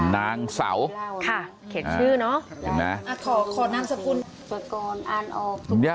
นางเสาเขียนชื่อเนาะ